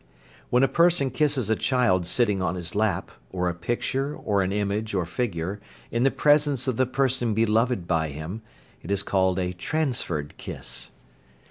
When a person kisses a child sitting on his lap, or a picture, or an image, or figure, in the presence of the person beloved by him, it is called a "transferred kiss."